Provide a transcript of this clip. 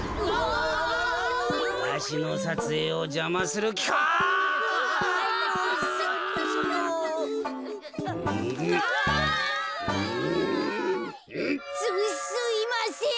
すすいません。